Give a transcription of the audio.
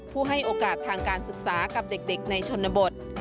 ให้โอกาสทางการศึกษากับเด็กในชนบท